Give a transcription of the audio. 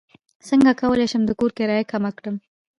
څنګه کولی شم د کور کرایه کمه کړم